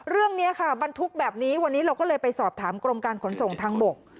เรื่องนี้ค่ะบรรทุกแบบนี้วันนี้เราก็เลยไปสอบถามกรมการขนส่งทางบก